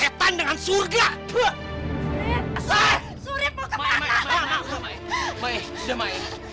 persetan dengan surga